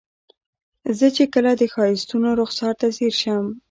زه چې کله د ښایستونو رخسار ته ځیر شم.